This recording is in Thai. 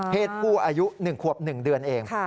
ผู้อายุ๑ขวบ๑เดือนเอง